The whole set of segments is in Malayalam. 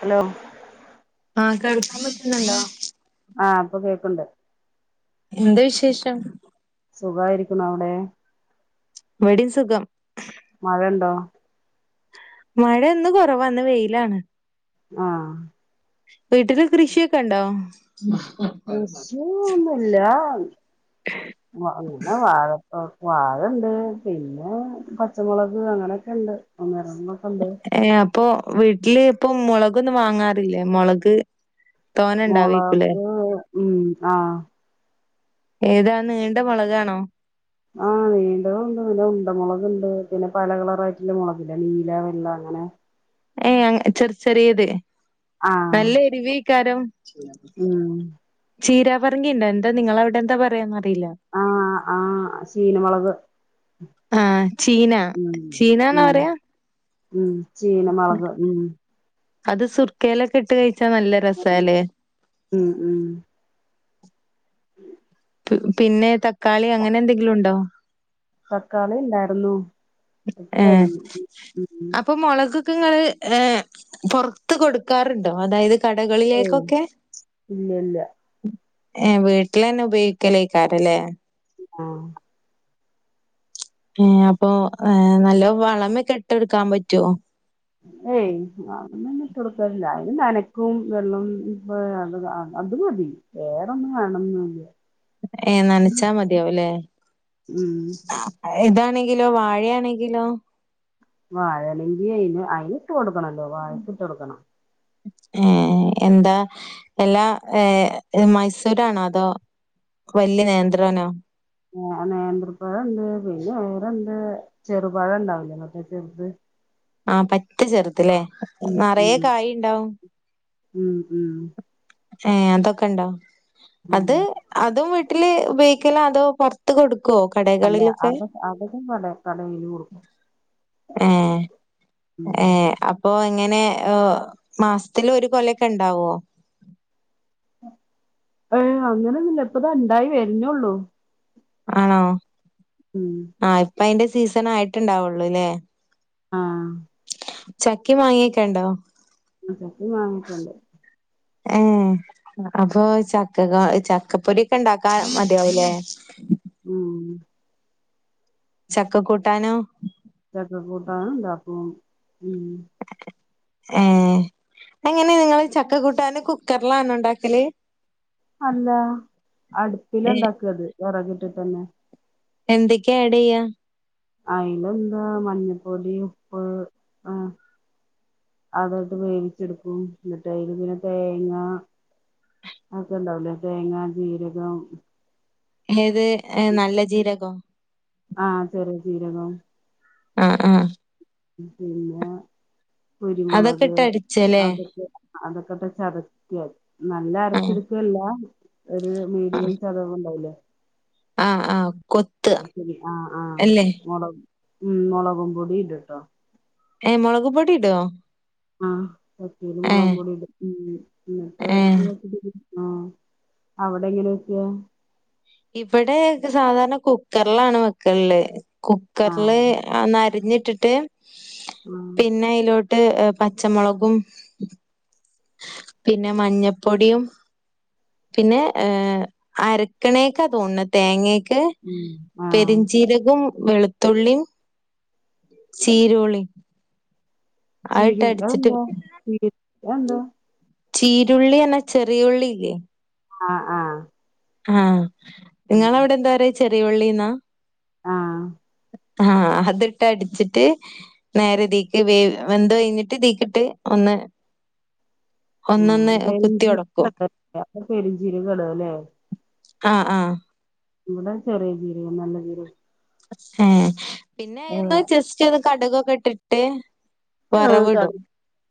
ഹലോ ആ കേൾക്കാൻ പറ്റുന്നുണ്ടോ ആ പ്പൊ കേൾക്ക്ണ്ട് എന്തേ വിശേഷം സുഖായിരിക്കുന്നു അവിടെ വടെം സുഖം മഴണ്ടോ മഴന്ന് കുറവാ ഇന്ന് വെയിലാണ് ആ വീട്ടില് കൃഷിയൊക്കെ ഉണ്ടോ കൃഷിന്നൊന്നുല്ല [unintelligible] വാഴ വാഴണ്ട് പിന്നെ പച്ചമുളക് അങ്ങനെയൊക്കെണ്ട് അങ്ങ ഏ അപ്പൊ വീട്ടില് ഇപ്പൊ മൊളകൊന്നും വാങ്ങാറില്ലേ മൊളക് തോനെ ഉണ്ടാവേക്കൂലെ മുളക് ഉം ആ ഏതാ നീണ്ട മൊളകാണോ ആ നീണ്ടതുണ്ട് പിന്നെ ഉണ്ട മൊളക്ണ്ട് പിന്നെ പല കളറായിയിട്ടുള്ള മുളകില്ലെ നീല വെള്ള എങ്ങനെ ഏയ് അങ്ങ് ചെറ് ചെറിയത് ആഹ് നല്ല എരുവിക്കാരം ഉം ചീരാ പറങ്കിണ്ടോ എന്താ നിങ്ങളെ അവിടെ എന്താ പറയാന്നറിയില്ല ആ ആ ശീന മൊളക് ആ ചീന ഉം ചീനാന്നാ പറയാ ഉം ചീന മൊളക് ഉം അത് സുർക്കയിലൊക്കെ ഇട്ട് കഴിച്ചാ നല്ല രസാലേ ഉം ഉം പിന്നെ തക്കാളി അങ്ങനെ എന്തെങ്കിലും ഉണ്ടോ തക്കാളി ഇല്ലായിരുന്നു ഇപ്പൊ കഴിഞ്ഞു ക്കൾ ഏ പൊറത്ത് കൊടുക്കാറുണ്ടോ അതായത് ഏയ് കടകളിലേക്കൊക്കെ ഇല്ല ഇല്ല ഏ വീട്ടിൽ തന്നെ ഉപയോഗിക്കലേ ക്കാരല്ലേ ആ അപ്പൊ ഏർ നല്ല വളമ കെട്ട എടുക്കാൻ പറ്റുവോ കൊടുക്ക അ നനക്കും വെള്ളം അത് മതി വേറൊന്ന വേണ ഉം ഏ നനച്ചാ മതിയാവുംല്ലേ ഉം ഇതാണെങ്കിലോ വാഴയാണെങ്കിലോ വാഴ അല്ലെങ്കി അന് അയിനി ഇട്ട് കൊടുക്കണല്ലോ വാഴക്ക് ഇട്ട് കൊടുക്കണം ഏ എന്താ എല്ലാ ഏ മൈസൂരാണോ അതോ വലിയ നേന്ത്രനോ ഏ നേന്ത്രപ്പഴംുണ്ട് പിന്നെ ര്ണ്ട് ചെറുപഴ ഇണ്ടാവില്ലേ മറ്റേ ചെറുത് ആഹ പറ്റ ചെറുത്ല്ലേ ആഹ് ഉം ഉം നറയെ കായുണ്ടാവും ഉം ഉം ഏ അതൊക്കെ ഉണ്ടോ ഉം അത് അതും വീട്ടില് ഉപയോഗിക്കലാ അതോ പുറത്ത് കൊടുക്കും കോ അല്ല കടകളിലൊക്കെ അതൊ അതൊക്കെ കട കടയില് കൊടുക്കും ഏ ഉം ഏ അപ്പൊ അങ്ങനെ മാസത്തില് ഒരു കൊലക്കെ ഉണ്ടാവോ ഏ് അങ്ങനെന്ന ഇപ്പത് ഉണ്ടായി വരനൊള്ളൂ ആണോ ആഹ ഇപ്പ അതിന്റെ സീസൺ ആയിട്ട്ുണ്ടാവുള്ളൂല്ലേ ആഹ് ചക്കി മാങ്ങിയക്കണ്ടോ ആ ചക്ക മാങ്ങിക്കെണ്ട് ഏ അപ്പൊ ചക്കക ചക്കപ്പൊരി ഒക്കെ ഉണ്ടാക്കാ മതിയാവല്ലേ ഉം ചക്ക കൂട്ടാനോ ചക്ക കൂട്ടാന് ഉണ്ടാകുണു ഏ അങ്ങനെ നിങ്ങള് ചക്ക കൂട്ടാന കുക്കറിലാണ് ഉണ്ടാക്കല് അല്ല അടുപ്പില ഇണ്ടാക്കത് വിറക്ട്ട് ട്ടന്നെ എന്തൊക്കെയ ആഡ്യ്യ അയില എന്താ മഞ്ഞപ്പൊടി ഉപ്പ് ആഹ അതൊക്കെവേവിച്ചെടുക്കും എന്നിട്ട് അതിൽ പിന്നെ തേങ്ങ അക്കെ ഉണ്ടാവലേ തേങ്ങ ജീരകം ഏത്ഏ നല്ല ജീരകോ ആഹ ചെറുചീരകം ആഹ ആഹ പിന്നെ അതൊക്കെ കുരുമുളക് ഇട്ട് അടിച്ചല്ലേ? അതൊക്കെ അതൊക്കെ പക്കത്തെ ചതക്ക നല്ല ആഹ് അരച്ചെടുക്കല്ല ഒരു മീഡിയം ചതവ ഉണ്ടാവലേ ആഹ ആഹ ശരി ആഹ ആഹ് മുളക് ഉം മുളകും പൊടിയും ഇണ്ട്ട്ടോ ഏ മുളക് പൊടി ടോ ആ ചച്ചീൽ മുളകും പൊടിട്ട് ഉ എന്നിട്ട് ഏഹ് വ ആ അവിടെ എങ്ങനെയാ വയ്ക്ക ഇവിടെ സാധാരണ കുക്കറിലാണ് വയ്ക്കലുള്ളത് കുക്കറില് ആഹ് നരിഞ്ഞിട്ടിട്ട് ആഹ് പിന്നെ അതിലോട്ട് ട്ട് പച്ചമുളകും പിന്നെ മഞ്ഞപ്പൊടിയും പിന്നെ ഏ അരക്കണേക്കാ തോന്നണ തേങ്ങ ഉം ആഹ് പെരിഞ്ചീരകവും വെളുത്തുള്ളി ചീരോളി ആയിട്ട് അടിച്ചിട്ട് എന്ത് ചീരുള്ളി അന്നെ ചെറിയുള്ളില്ലേ ആ ആ ആ നിങ്ങളവിടെ എന്താ പറയാ ചെറിയള്ളിന്ന ആഹ് ആ അത്ട്ട അടിച്ചിട്ട് നേരെ തീക്ക് വേ വെന്ത് കഴിഞ്ഞിട്ട് തീക്കിട്ട് ഒന്ന്. [inaudible] ഉ ഒന്നൊന്ന് കുത്തി പെരുഞ്ചീ ഒടക്കും പെരുഞ്ചീര കടല്ലേ ആ ആ ഇവിടെ ചെറിയ ജീര നല്ല ജീരകം ഹ പിന്നെന്ന ഏഹ് ജെസ്റ്റ് അത് കടുകൊക്കെ ഇട്ടിട്ട്. ആ വറവിടും. [unintelligible]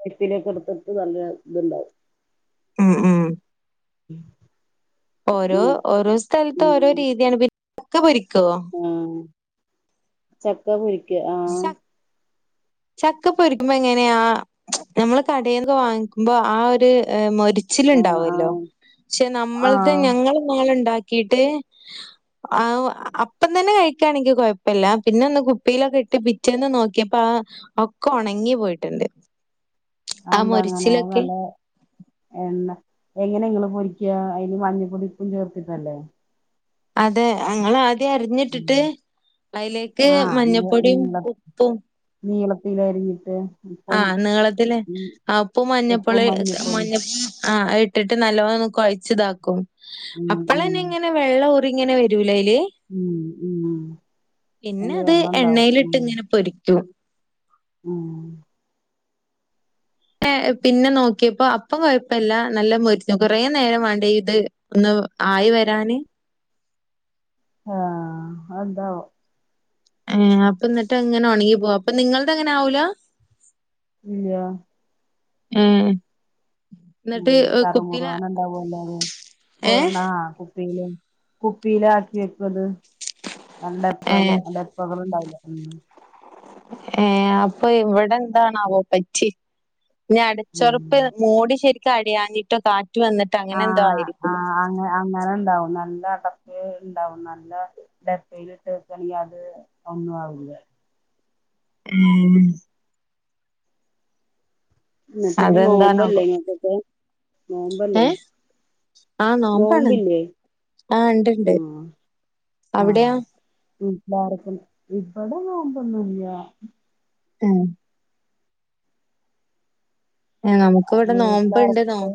എടുത്തിട്ട് നല്ല ഇതുണ്ടാവും ഉം ഉം [inaudible] ഓരോ എന്നിട്ട് ഓരോ സ്ഥലത്ത് ഓരോ രീതിയാണ് - ആ ചക്കപൊരിക്ക് ആ ച ചക്ക പൊരിക്കുമ്പോ എങ്ങനെയ ആ നമ്മള് കടന്നൊക്കെ വാങ്ങിക്കുമ്പോ ആ ഒരു മൊരിച്ച ആഹ് ഇച്ചിലുണ്ടാവല്ലോ ആഹ് പക്ഷെ നമ്മളത്തെ ആഹ് ഞങ്ങൾ നാള ഉണ്ടാക്കിട്ട്. ആ അപ്പം തന്നെ കഴിക്കാണെങ്കക്ക് കുഴപ്പില്ല പിന്നെ ഒന്ന് കുപ്പിയിലൊക്കെ പിറ്റേന്ന് നോക്കിയപ്പോ ആ ഒക്കെ ഉണങ്ങി പോയിട്ടുണ്ട്. ആ എന്താ അങ്ങനെ മൊരിച്ചിലൊക്കെ നല്ല എണ്ണ എങ്ങന പൊരിക്കുക അതിന് മഞ്ഞപ്പൊടിപ്പും ചേർത്തിട്ടല്ലേ? അതെ അങ്ങള ഇദ്യ അറിഞ്ഞിട്ടിട്ട് അതിലേക്ക് ആഹ് നീ മഞ്ഞപ്പൊടിയും ഉപ്പും. എന്ത് അറിഞ്ഞ് ആ നീളത്തിലേപ്പൊ ഉപ്പും ഇപ് മഞ്ഞ മഞ്ഞപ്പൊടിയും [unintelligible] ആഇട്ടിട്ട് നല്ലോണംന്ന് കുഴച്ച ഇതാക്കും ഉം അപ്പൾ തന്നെ ഉം ഇങ്ങനെ വെള്ളം ഒറിങ്ങനെ വരൂ. ലേ യില് ഉം ഉം പിന്നെ അതില് അത് വെള്ളം ഉണ്ടാവും എണ്ണയിലിട്ട് ഉം ഇങ്ങനെ പൊരിക്കൂ. ഉം ആ പിന്നെ നോക്കിയപ്പോ അപ്പം കൊഴപ്പല്ല നല്ല മച്ചു കുറേ നേരം വേണ്ട ഇത് ഒന്ന് ആ വരാന്. ആ അന്താവ ഏ അപ്പൊ എന്നിട്ട് എങ്ങനെ ഉണങ്ങി പോവാ അപ്പൊ നിങ്ങളത് എങ്ങനെ ആവൂല. ഇല ഉം ഉം കറുമുറ ന് ഉണ്ടാകുല്ലോ ത് പോ ഏ ന കുപ്പിയില കുപ്പിയില ആക്കി വെക്കും അത് ഏ നണ്ട്പ്പല നന്റെപ്പക ഉണ്ടാവില്ല ഉം ഏർ അപ്പൊ ഇവിടെ എന്താണാവോ പറ്റി ഞ ഉം അടച്ചുറുപ്പ് മോടി ശരിക്കും അടയാഞ്ഞിട്ടോ കാ ആഹ ആ് അ അങ്ങനെ ഉണ്ടാവും നല്ല അത് ഉണ്ടാവും നല്ല ഡപ്പിൽ ഇട്ട്ക്കണെങ്കിൽ അത് ഒന്നും ആവൂില്ല മ്മ്....... എന്നിട്ട് ഇപ്പോ നോമ്പല്ലേ അതെന്താണാവോ ഇങ്ങക്കൊക്കെ? നോമ്പല്ലേ? ആഹ നോമ്പാണ് നോമ്പില്ലേ ആഹ ഉണ്ട്ണ്ട്. ആഹ് അവിടെയോ? ഇല്ലാർക്കും ഇവിടെ നോമ്പ് ഒന്നുമില്ല ഉം ഏ നമുക്ക് ഇവിടെ നോമ്പണ്ട് നോ വീട്ടിലാരൊക്കെണ്ട്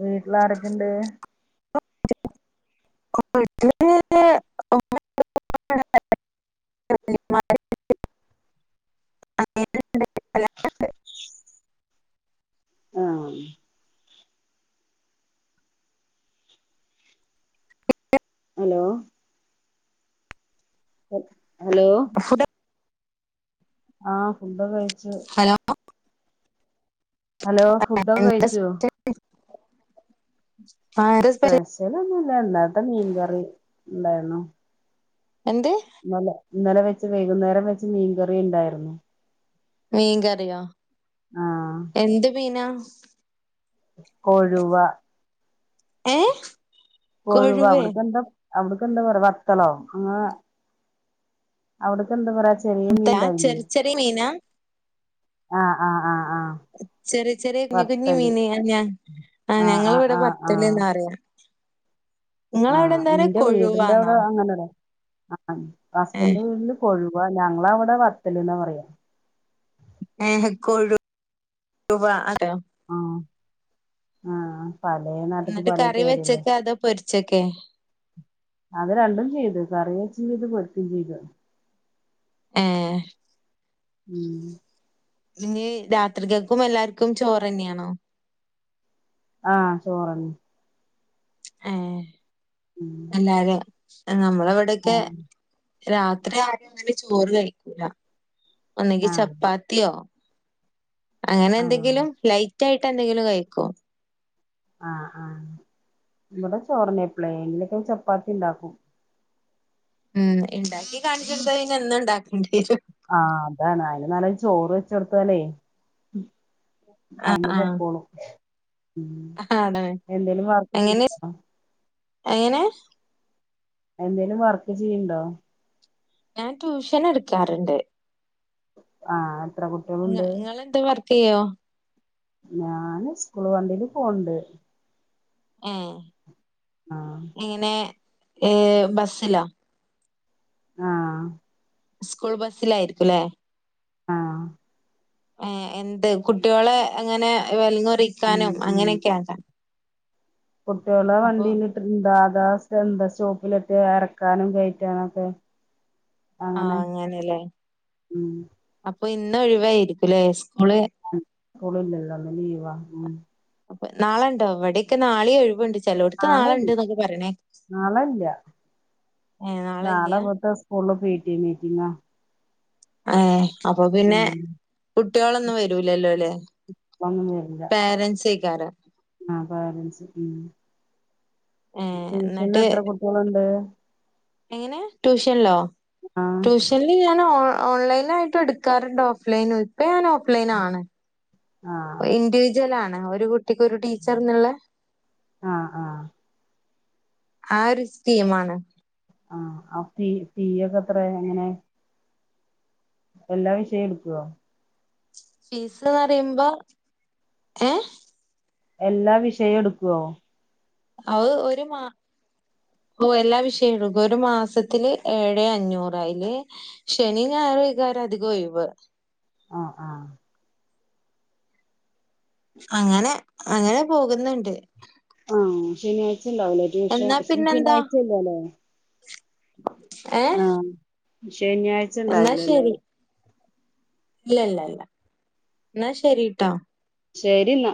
വീട്ടിൽ ആരൊക്കെ ഇണ്ട്? വീട്ടില്.... ഉമ്മണ്ട്, ഉപ്പണ്ട്, അനിയനും മയയില്ലേ ഉണ്ട്, ഉണ്ട്, എല്ലാരും ഉണ്ട് ആഹ പിന്നെ ഹലോ. ഹലോ. ആഹ് ഫുണ്ടൊക്കെയായി. ഹലോ. ഹലോ ഫുഡൊക്കെ കഴിച്ചോ. ആ എന്താ സ്പെഷ്യൽ സ്പെസലൊന്നുല്ല ഇന്നലത്തെ മീൻകറി ഇണ്ടായിരുന്നു. എന്ത്. ന്നലെ ഇന്നലെ വെച്ച് വൈകുന്നേരം വെച്ചമീൻകറി ഇണ്ടായിരുന്നു. മീകറിയോ ആഹ് എന്ത് മീന. കൊഴുവ. ഏ. കൊഴുവ കൊഴുവേ അവിടക്ക് എന്താ. അവിടക്കെന്താ പറയാ വത്തളോ ങ്ങ അവിടക്കന്താ പറയാ. ചെറിയ ആ മീനിണ്ടാവില്യേ ചെറി ചെറിയ മീനാ ആഹ ആഹ ആഹ. ചെറിയ ചെറിയ കുഞ്ഞി കുഞ്ഞി മീന ഞാൻ. ആ ആഹ് ഞങ്ങൾ ആഹ് ഇവിടെ ആഹ് ബത്തൽന്നാ ആഹ് പറയാ. ഇങ്ങളവിടെ ആഹ് എന്താ പറയാ കൊഴവാന്നൊ. ആഹ ഹുസ്ബന്റിന്റെ വീട്ടില് കൊഴവാ ഞങ്ങളവിടെ വത്തലന്ന പറയാ. ഏ കൊഴുവാ. ആഹ. ആഹ പലെ നാട്ടക്ക് എന്നിട്ട് പല കറി പേരല്ലേ. വെച്ചക്കെ അതോ പൊരിച്ചൊക്കെ അത് രണ്ടും ചെയ്തു കറിവെച്ച്ചെയ്ത് പൊരിക്കും ചെയത്. ഏ..... ഉം....... ഇനി രാത്രികൽക്കും എല്ലാർക്കും ചോറന്നെയാണോ. ആഹ ചോറന്നെ ഏ ഉം എല്ലാരും നമ്മളവിടൊക്കെ. ആഹ് രാത്രി ആരും അങ്ങനെ ചോറ് കഴിക്കൂല ഒന്നെങ്കി ആഹ് ചപ്പാത്യോ..... ആഹ് അങ്ങനെന്തെങ്കിലും ലൈറ്റ് ആയിട്ട് എന്തെങ്കിലും കഴിക്കു. ആഹ് ആഹ ഇവിടെ ചോറനെ എപ്പളെലും ഒക്കെ ചപ്പാത്തി ഇണ്ടാക്കും. ഉം ഇണ്ടാക്കി കാണിചൊടുത്ത പിന്നെ എന്നും ഇണ്ടാക്കേണ്ടിരും. ആഹ അതാണ് അയിന് നല്ല ചോറ് വെച്ചെടുത്തല്ലേ. അയമേ പൊക്കോളും. ഉം ആടേ എന്തേലും വർക്ക് എങ്ങനെ എങ്ങനെ. എന്തേലും വർക്ക് ചെയ്യണ്ടോ. ഞാൻ ട്യൂഷൻ എടുക്കാറണ്ട്. ആഹ് ങ്ങ കുട്ടികളുണ്ട് ങ്ങൾ ന്താവർക്കയ്യോ. ഞാന് ഉസ്കൂള് വണ്ടില് പോണ്ട്. ഏ ആഹ് എങ്ങനെ ഏ ബസ്സിലൊ. ആഹ് ഉസ്കൂൾ ബസ്സിലായിരിക്കും ലേ. ആ ഏ എന്ത് കുട്ട്യോളെ അങ്ങനെ ഉം വെലങ്ങുറിക്കാനും അങ്ങനെയൊക്കെയനൊ. കുട്ട്യോളെ വണ്ടീലിട്ടെന്താ. ന്താ സ്റ്റോപ്പിലെത്തിയാ എറക്കാനും കേറ്റാനൊക്കെ. ആഹ് അങ്ങനെ അങ്ങനെല്ലേ ഉം അപ്പൊ ഇന്ന ഒഴിവായിയിരിക്കുംല്ലേ? സ്കൂൾ ഇല്ലല്ലോ ലീവാ ഉ അപ്പൊ നാളണ്ടോ ഇവിടെയൊക്കെ നാളിയെ ഒഴിവുണ്ട് ചെലോടത്ത് നാളല്ല നാളെണ്ട് എന്നൊക്കെ പറയണേ നാളല്ല ഏഹ് നാളെല്ല്യ നാളെ ബ്ടത്തെ സ്കൂള പിടിഎ മീറ്റിംഗ ഏ അപ്പൊ പിന്നെ കുട്ടികളൊന്നും വരൂലല്ലോ ല്ലേ? ഒന്നും വരില്ല പേരൻസേക്കാരം ആ പാലൻസ് ഉ ഏഹ് ട്യൂഷന്ന് എന്നിട്ട് എത്ര കുട്ടികളുണ്ട്? എങ്ങനെ ട്യൂഷനിലോ ആ ട്യൂഷനിൽ ഞൻഓ ഓൺലൈൻ ആായിട്ട് എടുക്കാറുണ്ട് ഓഫ്ലൈൻ. അപ്പ ഞാൻ ഓഫ്ലൈൻ ആണ്. ആ ഇൻിവിജ്ല ആാണ് ഒരു കുട്ട ട്ടിക്ക് ഒരു ടീച്ചർന്നുള്ളേ? ആ ആ ആരുസ്റ്റിമാണ് ആഹ ആ ഫി ഫീ ഒക്കെ എത്ര എങ്ങനെ? എല്ലാ വിഷയം എടുക്കുവ? ഫീസ്ന്ന് പറയുമ്പോ ഏ എല്ലാ വിഷയം എടുക്കുവോ? അവ ഒരു മാ ഓ എല്ലാ വിഷയ ഒരു മാസത്തില് ഏഴേ അഞ്ഞൂറാ ആയില് ശനി ഞായ കാരം അധികം ഒഴിവ് ആഹ് ആഹ് അങ്ങനെ അങ്ങനെ പോകുന്നുണ്ട്. ആഹ് ശനിയാഴ് ണ്ടാവല്ലേ ട്യൂഷ എന്നാ പിന്നെന്താ ശനിയാഴ്ചല്ലല്ല ഏഹ് ആഹ ശനിയാഴ്ച ണ്ടാവില്ലല്ലോ ഇല്ലല്ല ഇല്ല എന്നാ ശരിട്ടോ. ശരിന്നാ.